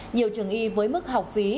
nhiều trường y với mức học phí